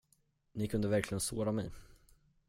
Ni kunde verkligen såra mig.